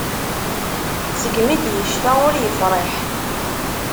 Segmi d-yecfa ur yefriḥ.